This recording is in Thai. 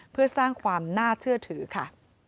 เพื่อสร้างความน่าเชื่อถือค่ะ